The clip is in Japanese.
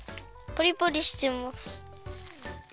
パリパリしてます。